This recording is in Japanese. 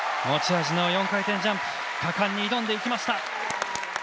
持ち味の４回転ジャンプ果敢に挑んでいきました。